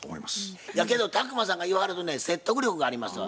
けど宅麻さんが言わはるとね説得力がありますわ。